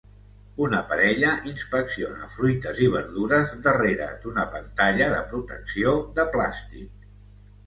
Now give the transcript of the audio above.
Una parella inspecciona fruites i verdures darrere d'una pantalla de protecció de plàstic.